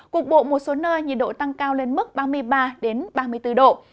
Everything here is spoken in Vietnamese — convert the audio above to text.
cục bộ một số nơi nhiệt độ tăng cao lên mức ba mươi ba ba mươi bốn độ